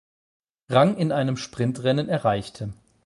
Rang in einem Sprintrennen erreichte.